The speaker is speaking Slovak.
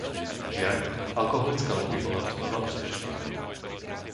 Žiaľ, alkoholická loby bola znova úspešná.